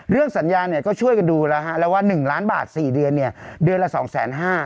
เรื่องสัญญาก็ช่วยกันดูแล้วว่า๑ล้านบาท๔เดือนเดือนละ๒๕๐๐๐๐บาท